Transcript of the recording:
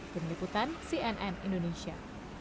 peneliputan cnn indonesia